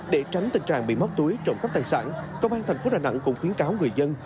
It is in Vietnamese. để tránh tình trạng bị móc túi trộm cắp tài sản công an thành phố đà nẵng cũng khuyến cáo người dân